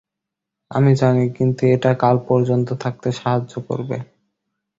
আমি জানি, কিন্তু এটা - কাল পর্যন্ত থাকতে সাহায্য করবে।